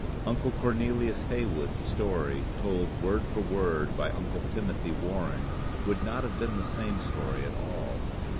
Uncle Cornelius Heywood's story told word for word by Uncle Timothy Warren, would not have been the same story at all.